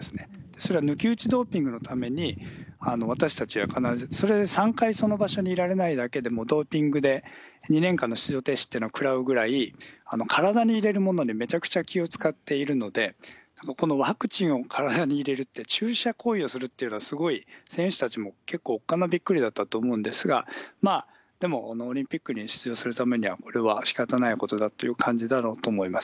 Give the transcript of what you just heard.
それは抜き打ちドーピングのために私たちは必ず、それ、３回その場所にいられないだけで、もうドーピングで２年間の出場停止っていうのを食らうぐらい、体に入れるものにめちゃくちゃ気を遣っているので、このワクチンを体に入れるって注射行為をするっていうのは、すごい選手たちも結構おっかなびっくりだったと思うんですが、でも、オリンピックに出場するためには、これはしかたないことだという感じだろうと思います。